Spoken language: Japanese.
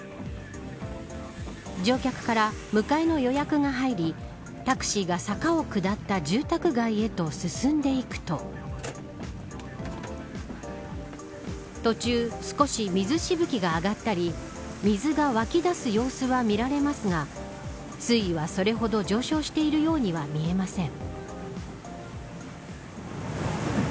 乗客から迎えの予約が入りタクシーが坂を下った住宅街へと進んでいくと途中、少し水しぶきが上がったり水が湧き出す様子は見られますが水位はそれほど上昇しているようには見えません。